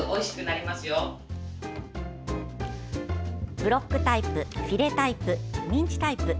ブロックタイプフィレタイプ、ミンチタイプ